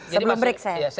sebelum break saya